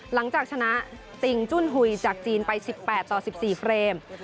หลังจากชนะติ่งจุ้นหุยจากจีนไป๑๘ต่อ๑๔เฟรม